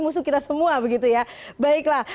musuh kita semua begitu ya baiklah